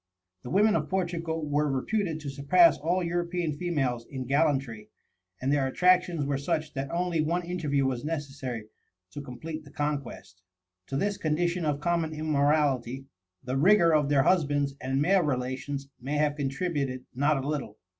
The women of Portugal were reputed to surpass all European females in gallantry, and their attractions were such that only one interview was necessary to complete the conquest. To this condition of common immorality, the rigor of their husbands and male relations may have contributed not a little.